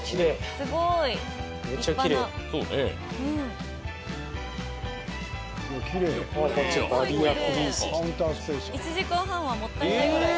すごい奇麗１時間半はもったいないぐらい。